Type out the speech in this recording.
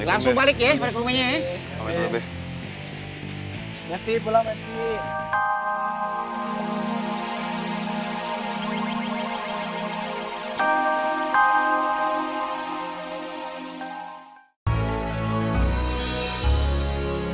langsung balik ya balik rumahnya ya